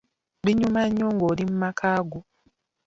Binyuma nnyo ng'oli mu maka go.